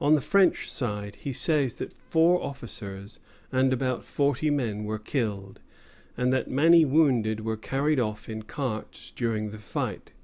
On the French side he says that four officers and about forty men were killed, and that many wounded were carried off in carts during the fight.